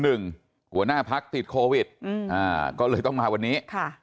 หัวหน้าพักติดโควิดก็เลยต้องมาวันนี้